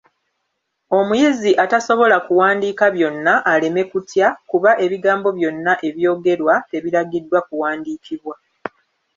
Omuyizi atasobola kuwandiika byonna, aleme kutya, kuba ebigambo byonna ebyogerwa tebiragiddwa kuwandikibwa.